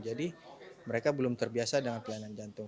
jadi mereka belum terbiasa dengan pelayanan jantung